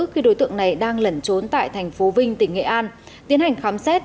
khi đối tượng này đang lẩn trốn tại thành phố vinh tỉnh nghệ an tiến hành khám xét